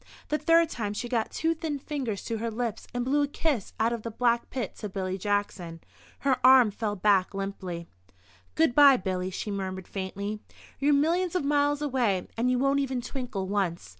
The third time she got two thin fingers to her lips and blew a kiss out of the black pit to Billy Jackson. Her arm fell back limply. "Good bye, Billy," she murmured faintly. "You're millions of miles away and you won't even twinkle once.